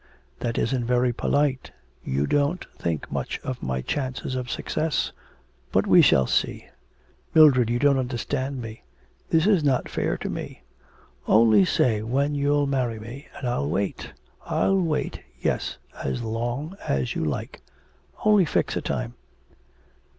'That isn't very polite. You don't think much of my chances of success.... But we shall see.' 'Mildred, you don't understand me. This is not fair to me. Only say when you'll marry me, and I'll wait, I'll wait, yes, as long as you like only fix a time.'